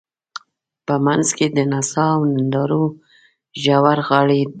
په منځ کې د نڅا او نندارو ژورغالی دی.